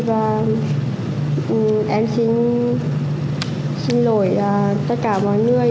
và em xin lỗi tất cả mọi người